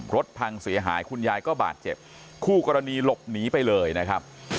รถพังเสียหายคุณยายก็บาดเจ็บคู่กรณีหลบหนีไปเลยนะครับ